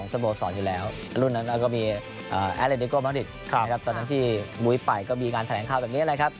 อเจมส์แอลเลนดิโกะมันติดตอนนั้นที่มุยไปก็มีงานแถลงเข้าแบบนี้แหละครับ